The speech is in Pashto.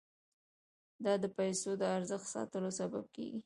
دا د پیسو د ارزښت ساتلو سبب کیږي.